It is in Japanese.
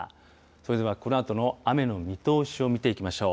それではこのあとの雨の見通しを見ていきましょう。